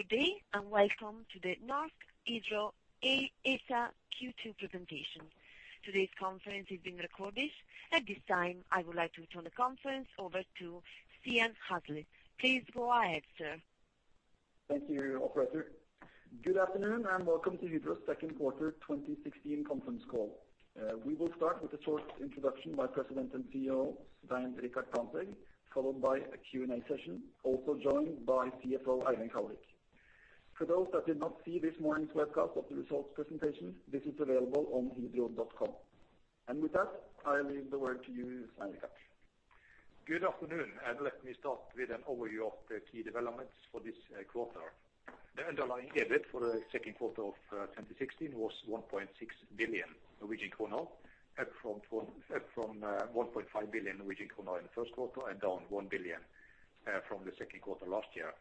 Good day, and welcome to the Norsk Hydro ASA Q2 presentation. Today's conference is being recorded. At this time, I would like to turn the conference over to Stian Hasle. Please go ahead, sir. Thank you, operator. Good afternoon, and welcome to Hydro's second quarter 2016 conference call. We will start with a short introduction by President and CEO Svein Richard Brandtzæg, followed by a Q&A session, also joined by CFO Eivind Kallevik. For those that did not see this morning's webcast of the results presentation, this is available on Hydro.com. With that, I leave the word to you, Svein Richard. Good afternoon, and let me start with an overview of the key developments for this quarter. The underlying EBIT for the second quarter of 2016 was 1.6 billion Norwegian kroner up from 1.5 billion Norwegian kroner in the first quarter and down 1 billion from the second quarter last year.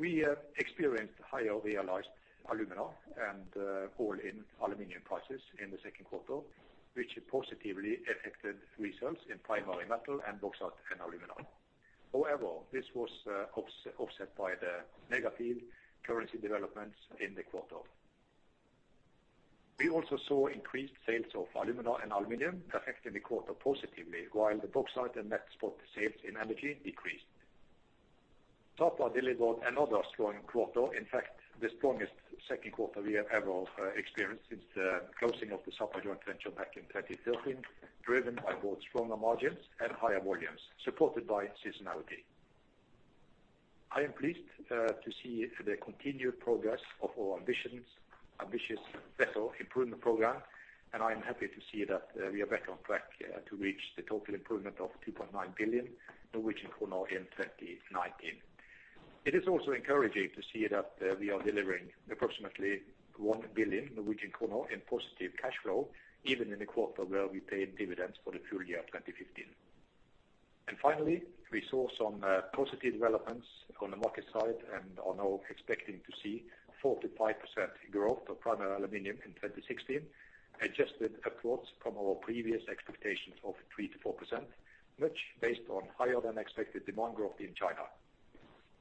We experienced higher realized alumina and all-in aluminum prices in the second quarter, which positively affected results in Primary Metal and Bauxite & Alumina. However, this was offset by the negative currency developments in the quarter. We also saw increased sales of alumina and aluminum affecting the quarter positively, while the bauxite and net spot sales in energy decreased. Topline delivered another strong quarter, in fact, the strongest second quarter we have ever experienced since the closing of the Sapa joint venture back in 2013, driven by both stronger margins and higher volumes supported by seasonality. I am pleased to see the continued progress of our ambitious Better Improvement program, and I'm happy to see that we are back on track to reach the total improvement of 2.9 billion in 2019. It is also encouraging to see that we are delivering approximately 1 billion Norwegian kroner in positive cash flow, even in a quarter where we paid dividends for the full year of 2015. Finally, we saw some positive developments on the market side and are now expecting to see a 45% growth of primary aluminum in 2016, adjusted upwards from our previous expectations of 3%-4%, much based on higher than expected demand growth in China.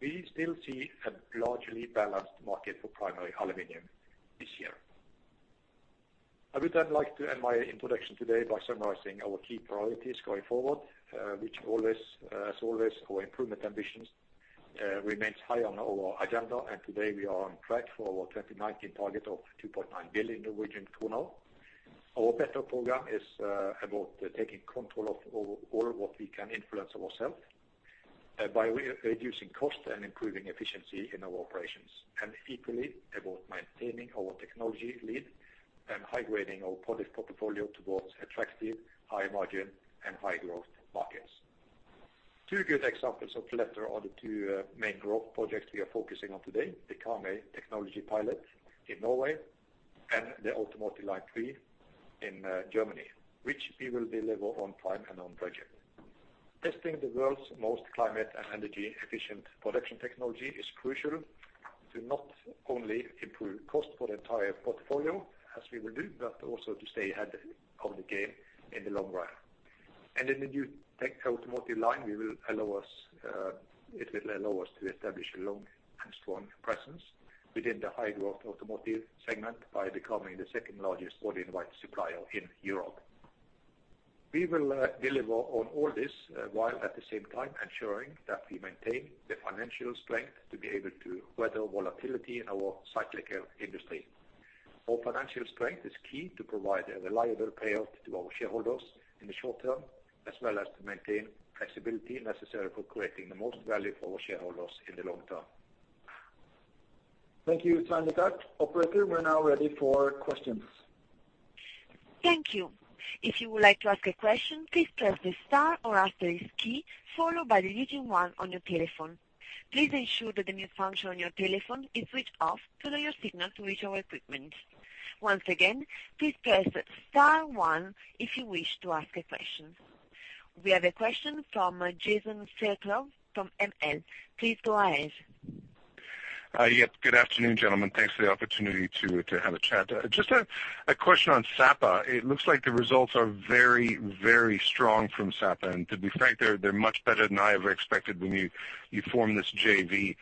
We still see a largely balanced market for primary aluminum this year. I would then like to end my introduction today by summarizing our key priorities going forward, which always, as always, our improvement ambitions remains high on our agenda, and today we are on track for our 2019 target of 2.9 billion Norwegian kroner. Our Better program is about taking control of all what we can influence ourselves by re-reducing cost and improving efficiency in our operations and equally about maintaining our technology lead and high-grading our product portfolio towards attractive high margin and high growth markets. Two good examples of the latter are the two main growth projects we are focusing on today, the Karmøy technology pilot in Norway and the Automotive Line 3 in Germany, which we will deliver on time and on budget. Testing the world's most climate and energy-efficient production technology is crucial to not only improve cost for the entire portfolio as we will do, but also to stay ahead of the game in the long run. In the new tech automotive line, it will allow us to establish a long and strong presence within the high-growth automotive segment by becoming the second largest Body in White supplier in Europe. We will deliver on all this while at the same time ensuring that we maintain the financial strength to be able to weather volatility in our cyclical industry. Our financial strength is key to provide a reliable payout to our shareholders in the short term, as well as to maintain flexibility necessary for creating the most value for our shareholders in the long term. Thank you, Svein Richard. Operator, we're now ready for questions. Thank you. If you would like to ask a question, please press the star or asterisk key followed by one on your telephone. Please ensure that the mute function on your telephone is switched off to allow your signal to reach our equipment. Once again, please press star one if you wish to ask a question. We have a question from Jason Fairclough from ML. Please go ahead. Yes. Good afternoon, gentlemen. Thanks for the opportunity to have a chat. Just a question on Sapa. It looks like the results are very strong from Sapa. To be frank, they're much better than I ever expected when you formed this JV.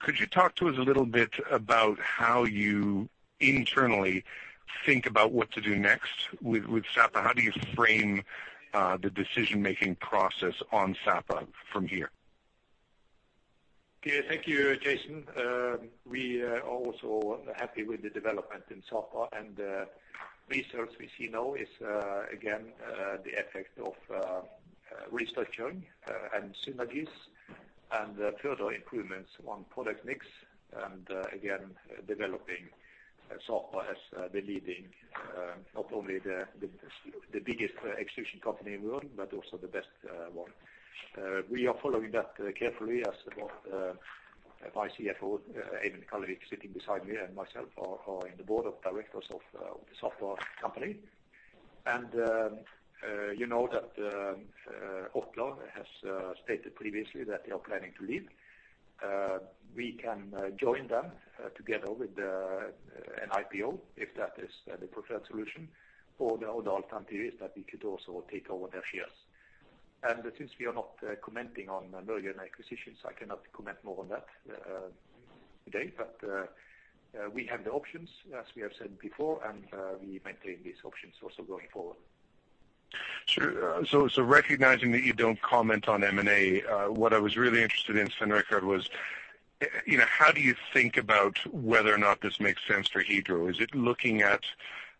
Could you talk to us a little bit about how you internally think about what to do next with Sapa? How do you frame the decision-making process on Sapa from here? Yeah. Thank you, Jason. We are also happy with the development in Sapa, and results we see now is again the effect of restructuring and synergies and further improvements on product mix and again developing Sapa as the leading not only the biggest extrusion company in the world, but also the best one. We are following that carefully as both my CFO Eivind Kallevik sitting beside me and myself are in the board of directors of the Sapa company. You know that Orkla has stated previously that they are planning to leave. We can join them together with an IPO if that is the preferred solution or the other alternative is that we could also take over their shares. Since we are not commenting on mergers and acquisitions, I cannot comment more on that today. We have the options, as we have said before, and we maintain these options also going forward. Sure. Recognizing that you don't comment on M&A, what I was really interested in, Svein Richard, was, you know, how do you think about whether or not this makes sense for Hydro? Is it looking at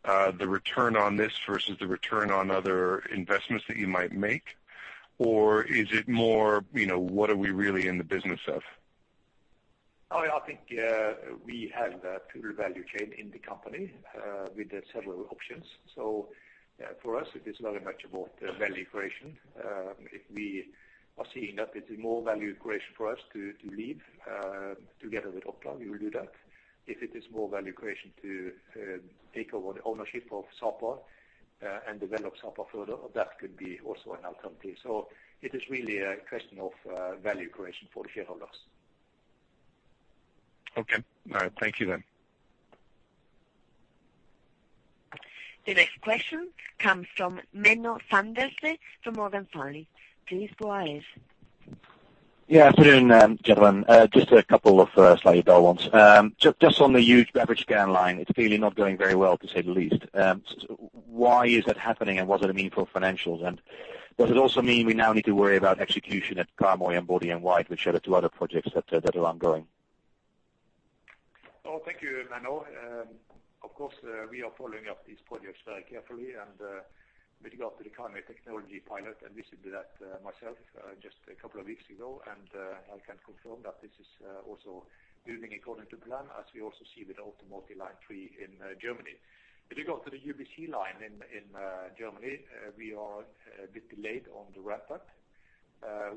the return on this versus the return on other investments that you might make? Or is it more, you know, what are we really in the business of? I think we have the full value chain in the company with several options. For us, it is very much about value creation. If we are seeing that it's more value creation for us to lead together with Orkla, we will do that. If it is more value creation to take over the ownership of Sapa and develop Sapa further, that could be also an alternative. It is really a question of value creation for the shareholders. Okay. All right, thank you then. The next question comes from Menno Sanderse from Morgan Stanley. Please go ahead. Yeah. Good afternoon, gentlemen. Just a couple of slightly dull ones. Just on the huge beverage can line, it's clearly not going very well to say the least. So why is that happening, and what does it mean for financials? Does it also mean we now need to worry about execution at Karmøy and Body in White, which are the two other projects that are ongoing? Oh, thank you, Menno. Of course, we are following up these projects very carefully. With regard to the Karmøy technology pilot, I visited that myself just a couple of weeks ago, and I can confirm that this is also building according to plan, as we also see with Automotive Line 3 in Germany. With regard to the UBC line in Germany, we are a bit delayed on the ramp-up,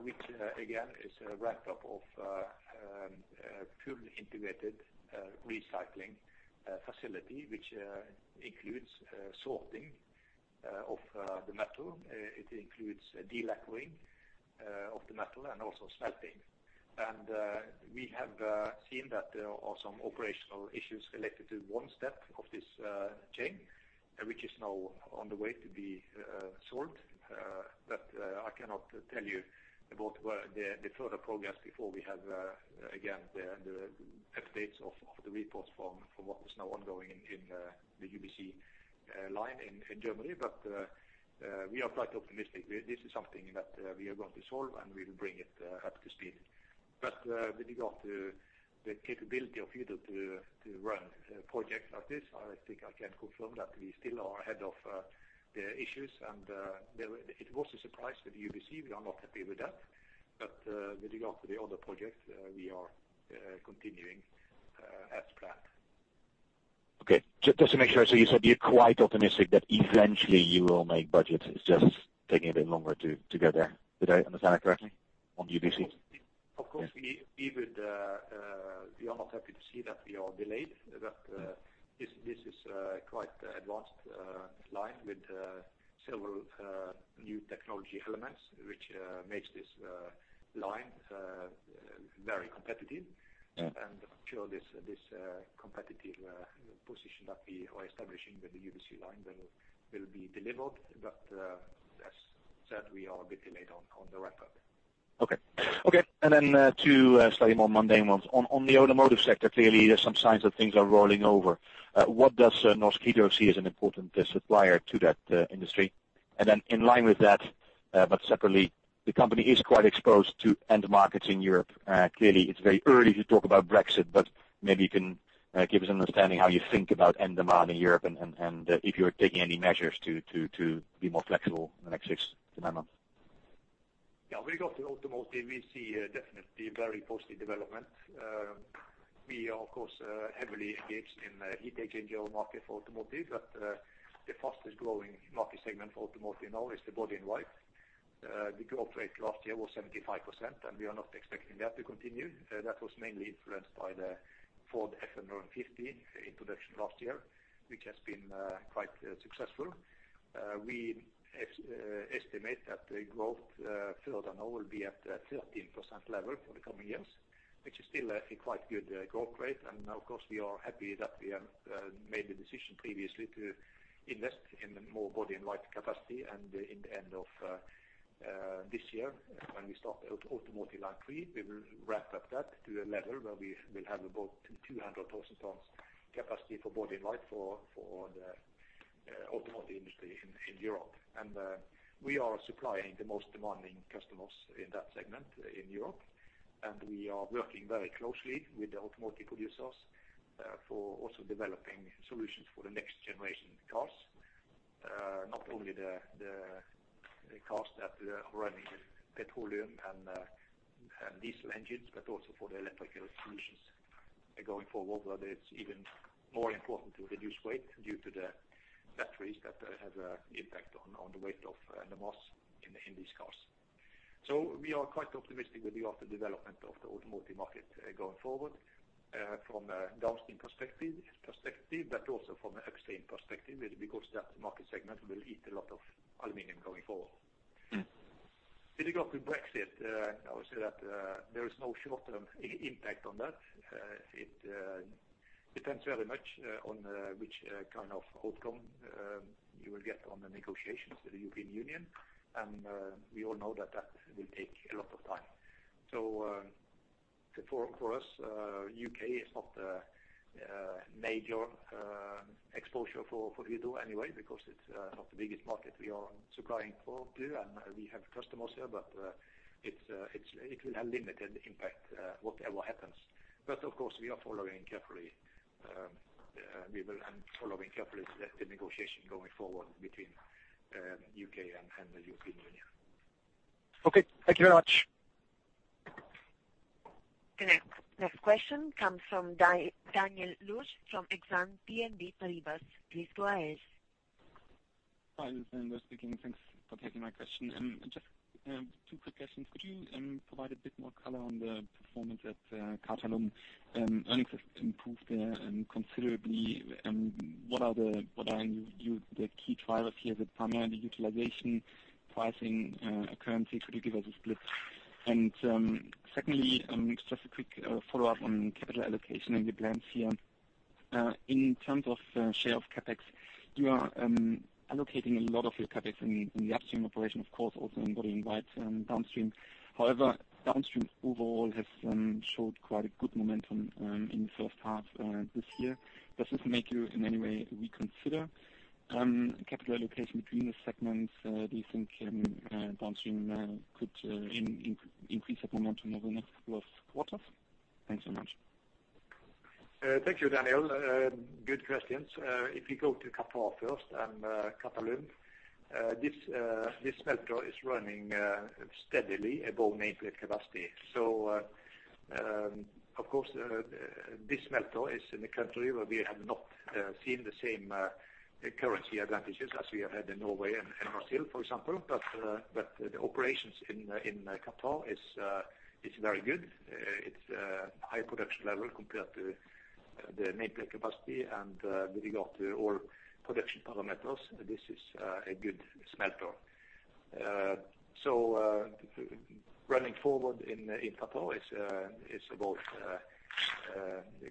which again is a ramp-up of a fully integrated recycling facility, which includes sorting of the metal. It includes delacquering of the metal and also smelting. We have seen that there are some operational issues related to one step of this chain which is now on the way to be solved. I cannot tell you about the further progress before we have again the updates of the reports from what is now ongoing in the UBC line in Germany. We are quite optimistic. This is something that we are going to solve, and we will bring it up to speed. With regard to the capability of Hydro to run projects like this, I think I can confirm that we still are ahead of the issues. It was a surprise with UBC. We are not happy with that. With regard to the other projects, we are continuing as planned. Just to make sure. You said you're quite optimistic that eventually you will make budget. It's just taking a bit longer to get there. Did I understand that correctly on UBC? Of course, we are not happy to see that we are delayed, but this is quite advanced line with several new technology elements, which makes this line very competitive. Mm-hmm. I'm sure this competitive position that we are establishing with the UBC line will be delivered. As said, we are a bit delayed on the ramp-up. Okay. Two slightly more mundane ones. On the automotive sector, clearly there are some signs that things are rolling over. What does Norsk Hydro see as an important supplier to that industry? In line with that, but separately, the company is quite exposed to end markets in Europe. Clearly it's very early to talk about Brexit, but maybe you can give us an understanding how you think about end demand in Europe and if you're taking any measures to be more flexible in the next six to nine months. Yeah. With regard to automotive, we see definitely very positive development. We are of course heavily engaged in the entire general market for automotive, but the fastest growing market segment for automotive now is the Body in White. The growth rate last year was 75%, and we are not expecting that to continue. That was mainly influenced by the Ford F-150 introduction last year, which has been quite successful. We estimate that the growth further now will be at a 13% level for the coming years, which is still a quite good growth rate. Of course, we are happy that we have made the decision previously to invest in more Body in White capacity. In the end of this year, when we start Automotive Line 3, we will ramp up that to a level where we will have about 200,000 tons capacity for Body in White for the automotive industry in Europe. We are supplying the most demanding customers in that segment in Europe, and we are working very closely with the automotive producers for also developing solutions for the next generation cars. Not only the cars that are running with petroleum and diesel engines, but also for the electric solutions going forward, where it's even more important to reduce weight due to the batteries that have an impact on the weight of the mass in these cars. We are quite optimistic with regard to development of the automotive market, going forward, from a downstream perspective, but also from an upstream perspective, because that market segment will eat a lot of aluminum going forward. Mm-hmm. With regard to Brexit, I would say that there is no short-term impact on that. It depends very much on which kind of outcome you will get on the negotiations with the European Union and we all know that it will take a lot of time. For us, U.K. is not the major exposure for Hydro anyway because it's not the biggest market we are supplying to, and we have customers there, but it will have limited impact whatever happens. Of course, we are following carefully and will follow carefully the negotiation going forward between U.K. and the European Union. Okay. Thank you very much. The next question comes from Daniel Luz from Exane BNP Paribas. Please go ahead. Hi, this is Daniel speaking. Thanks for taking my question. Just two quick questions. Could you provide a bit more color on the performance at Qatalum? Earnings have improved there considerably. What are the key drivers here? Is it primarily utilization, pricing, currency? Could you give us a split? Secondly, just a quick follow-up on capital allocation and your plans here. In terms of share of CapEx, you are allocating a lot of your CapEx in the upstream operation, of course, also in Body in White, right, downstream. However, downstream overall has showed quite a good momentum in the first half this year. Does this make you in any way reconsider capital allocation between the segments? Do you think downstream could increase that momentum over the next couple of quarters? Thanks so much. Thank you, Daniel. Good questions. If you go to Qatar first and Qatalum, this smelter is running steadily above nameplate capacity. Of course, this smelter is in a country where we have not seen the same currency advantages as we have had in Norway and Brazil, for example. The operations in Qatar is very good. It's high production level compared to the nameplate capacity, and with regard to all production parameters, this is a good smelter. Running forward in Qatar is about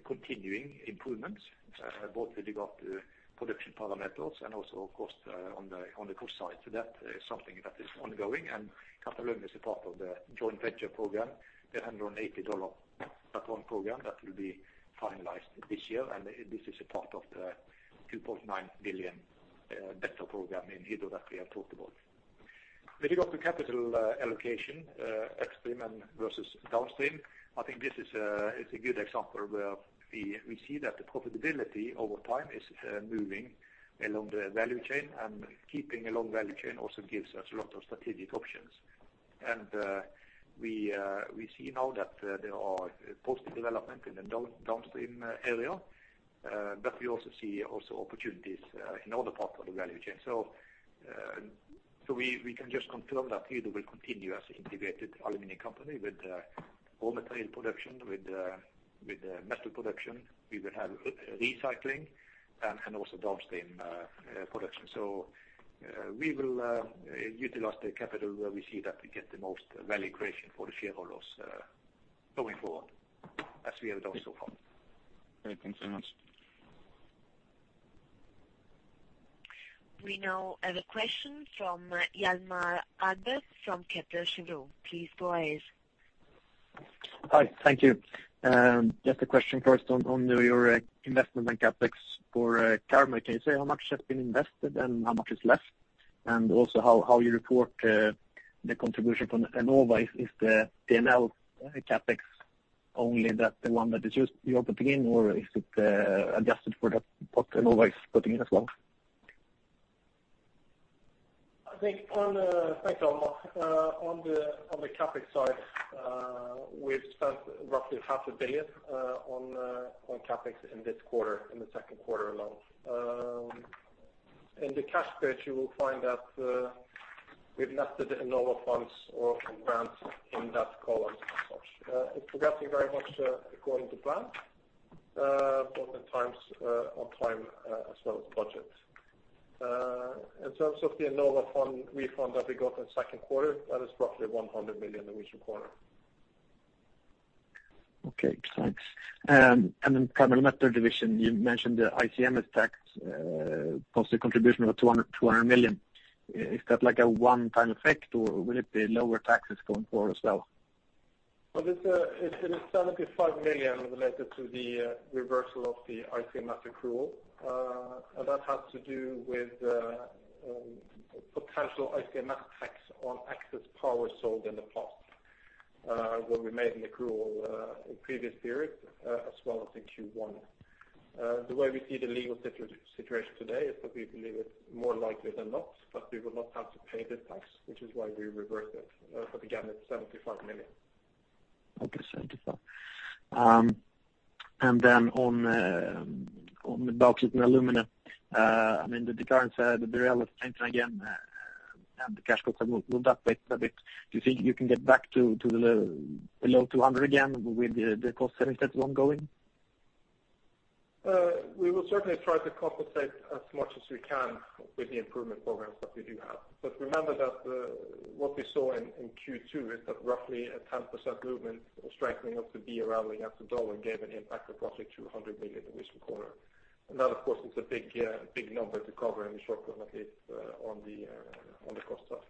continuing improvements, both with regard to production parameters and also of course on the cost side. That is something that is ongoing, and Qatalum is a part of the joint venture program, the $180/ton program that will be finalized this year. This is a part of the 2.9 billion Better program in Hydro that we have talked about. With regard to capital allocation, upstream versus downstream, I think this is a good example where we see that the profitability over time is moving along the value chain, and keeping along value chain also gives us a lot of strategic options. We see now that there are positive development in the downstream area, but we also see opportunities in other parts of the value chain. We can just confirm that Hydro will continue as an integrated aluminum company with ore material production, with metal production. We will have recycling and also downstream production. We will utilize the capital where we see that we get the most value creation for the shareholders going forward, as we have done so far. Great. Thanks so much. We now have a question from Hjalmar Ahlberg from Kepler Cheuvreux. Please go ahead. Hi. Thank you. Just a question first on your investment in CapEx for Karmøy. Can you say how much has been invested and how much is left? Also how you report the contribution from Enova? Is the Total CapEx only that, the one that is just you're putting in or is it adjusted for the what Enova is putting in as well? Thanks, Hjalmar. On the CapEx side, we've spent roughly half a billion NOK on CapEx in this quarter, in the second quarter alone. In the cash flow, you will find that we've netted Enova funds or grants in that column as such. It's progressing very much according to plan, both on time as well as budget. In terms of the Enova fund refund that we got in second quarter, that is roughly 100 million in each quarter. Okay. Thanks. Karmøy metal division, you mentioned the ICMS tax, positive contribution of 200 million. Is that like a one-time effect or will it be lower taxes going forward as well? Well, it's 75 million related to the reversal of the ICMS accrual. That has to do with potential ICMS tax on excess power sold in the past, where we made an accrual in previous periods, as well as in Q1. The way we see the legal situation today is that we believe it's more likely than not that we will not have to pay this tax, which is why we reversed it. Again, it's 75 million. 75. On the bauxite and alumina, I mean, the current real estate again, and the cash costs have moved up quite a bit. Do you think you can get back to below $200 again with the cost-saving steps ongoing? We will certainly try to compensate as much as we can with the improvement programs that we do have. Remember that what we saw in Q2 is that roughly a 10% movement strengthening of the BRL against the U.S. dollar gave an impact of roughly 200 million in this quarter. That, of course, is a big number to cover in the short run at least, on the cost side.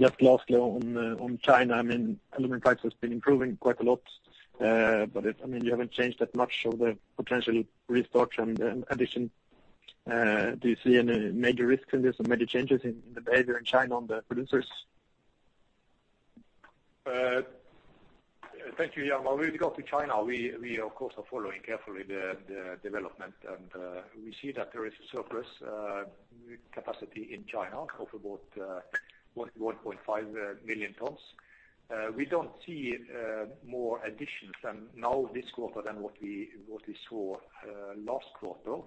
Just lastly on China, I mean, aluminum price has been improving quite a lot. It's I mean, you haven't changed that much of the potential restock and addition. Do you see any major risks in this or major changes in the behavior in China on the producers? Thank you, Hjalmar. When we go to China, we of course are following carefully the development. We see that there is a surplus capacity in China of about 1.5 million tons. We don't see more additions and now this quarter than what we saw last quarter.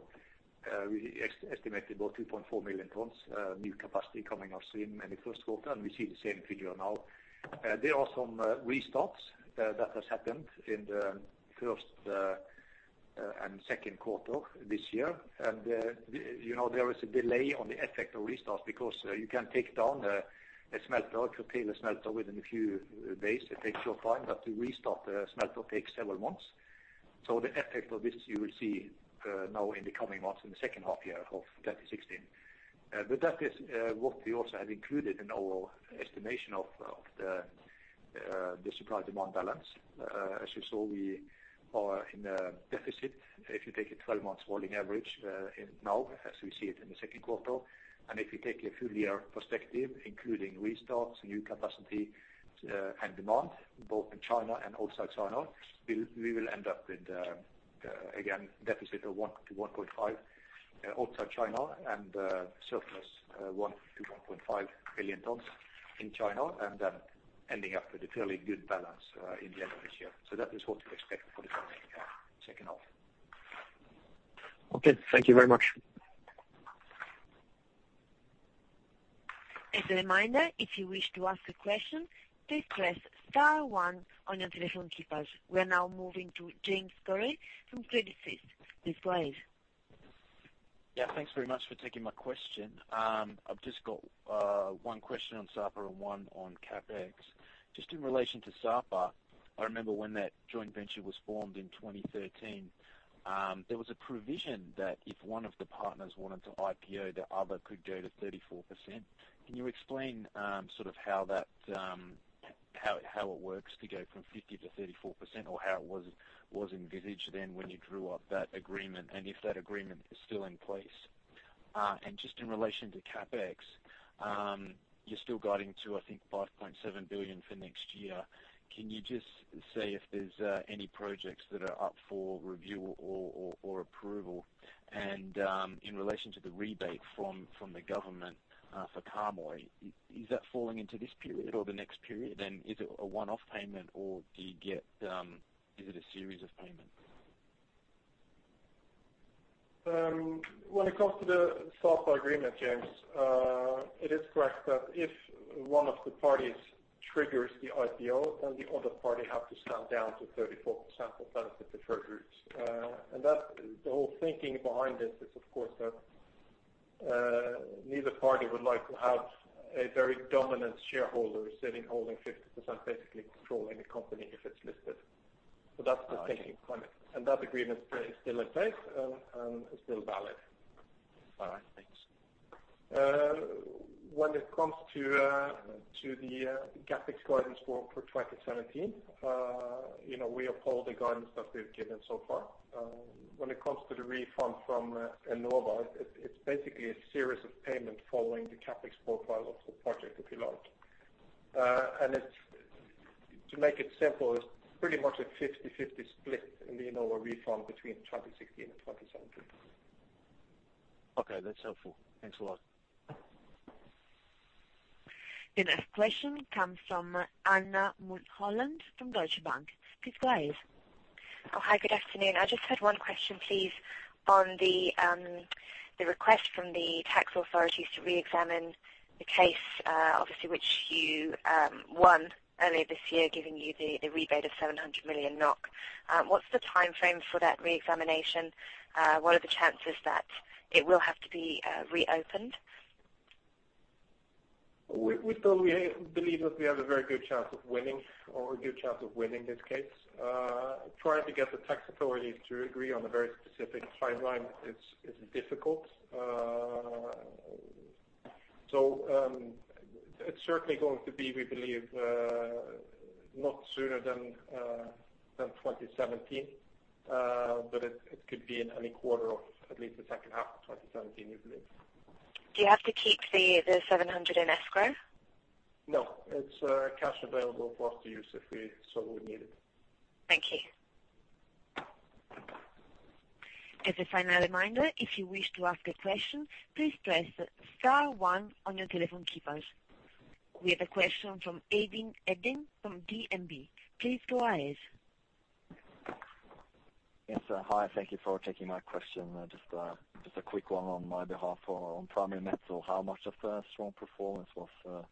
We estimated about 2.4 million tons new capacity coming on stream in the first quarter, and we see the same figure now. There are some restarts that has happened in the first and second quarter this year. You know, there is a delay on the effect of restarts, because you can take down a smelter, you could pay the smelter within a few days. It takes some time, but to restart the smelter takes several months. The effect of this you will see now in the coming months in the second half of 2016. That is what we also have included in our estimation of the supply-demand balance. As you saw, we are in a deficit. If you take a 12 months rolling average, in now as we see it in the second quarter, and if you take a full year perspective including restarts, new capacity, and demand both in China and outside China, we will end up with, again, deficit of 1-1.5 outside China and, surplus, 1-1.5 billion tons in China, and then ending up with a fairly good balance, in the end of this year. That is what we expect for the coming second half. Okay. Thank you very much. As a reminder, if you wish to ask a question, please press star one on your telephone keypads. We're now moving to James Gurry from Credit Suisse. Please go ahead. Yeah. Thanks very much for taking my question. I've just got one question on Sapa and one on CapEx. Just in relation to Sapa, I remember when that joint venture was formed in 2013, there was a provision that if one of the partners wanted to IPO, the other could go to 34%. Can you explain sort of how it works to go from 50% to 34% or how it was envisaged then when you drew up that agreement, and if that agreement is still in place? And just in relation to CapEx, you're still guiding to, I think, 5.7 billion for next year. Can you just say if there's any projects that are up for review or approval? In relation to the rebate from the government for Karmøy, is that falling into this period or the next period? Is it a one-off payment or do you get, is it a series of payments? When it comes to the Sapa agreement, James, it is correct that if one of the parties triggers the IPO, then the other party have to step down to 34% for benefit of shareholders. That's the whole thinking behind this is of course that, neither party would like to have a very dominant shareholder sitting holding 50%, basically controlling the company if it's listed. That's the thinking behind it. That agreement is still in place, and is still valid. All right, thanks. When it comes to the CapEx guidance for 2017, you know, we uphold the guidance that we've given so far. When it comes to the refund from Enova, it's basically a series of payment following the CapEx profile of the project, if you like. To make it simple, it's pretty much a 50-50 split in the Enova refund between 2016 and 2017. Okay. That's helpful. Thanks a lot. The next question comes from Anna Munthe-Holland from Deutsche Bank. Please go ahead. Oh, hi. Good afternoon. I just had one question, please, on the request from the tax authorities to reexamine the case, obviously which you won earlier this year, giving you the rebate of 700 million NOK. What's the timeframe for that reexamination? What are the chances that it will have to be reopened? We still believe that we have a very good chance of winning or a good chance of winning this case. Trying to get the tax authorities to agree on a very specific timeline is difficult. It's certainly going to be, we believe, not sooner than 2017. It could be in any quarter of at least the second half of 2017, we believe. Do you have to keep the 700 in escrow? No. It's cash available for us to use if we see we need it. Thank you. As a final reminder, if you wish to ask a question, please press star one on your telephone keypads. We have a question from Eivind Eggen from DNB. Please go ahead. Yes. Hi. Thank you for taking my question. Just a quick one on my behalf on Primary Metals. How much of the strong performance was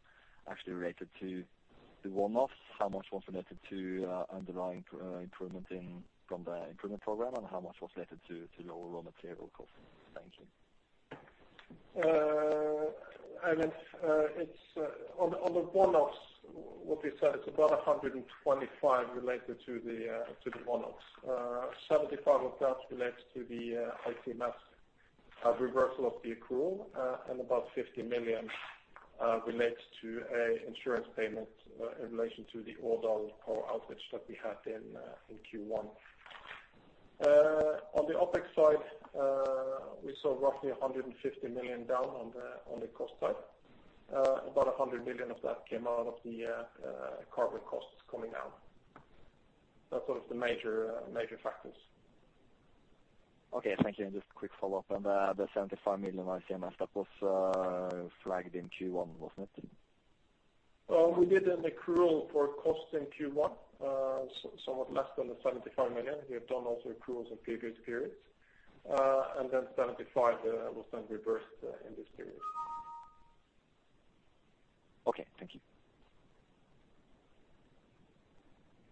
actually related to the one-offs? How much was related to underlying improvement from the improvement program? How much was related to lower raw material costs? Thank you. Eivind, it's on the one-offs what we said. It's about 125 related to the one-offs. 75 of that relates to the ICMS reversal of the accrual, and about 50 million relates to a insurance payment in relation to the Årdal power outage that we had in Q1. On the OpEx side, we saw roughly 150 million down on the cost side. About 100 million of that came out of the Karmøy costs coming down. That's sort of the major factors. Okay. Thank you. Just a quick follow-up on the 75 million ICMS. That was flagged in Q1, wasn't it? We did an accrual for cost in Q1, somewhat less than the 75 million. We have done also accruals in previous periods. 75 was then reversed in this period. Okay. Thank you.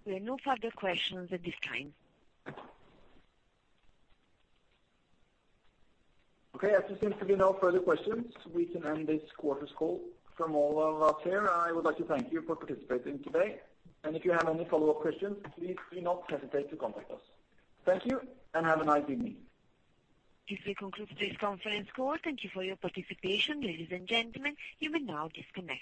There are no further questions at this time. Okay. As there seems to be no further questions, we can end this quarter's call. From all of us here, I would like to thank you for participating today. If you have any follow-up questions, please do not hesitate to contact us. Thank you, and have a nice evening. This concludes this conference call. Thank you for your participation, ladies and gentlemen. You may now disconnect.